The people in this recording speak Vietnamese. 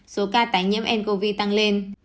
số ca tái nhiễm ncov tăng lên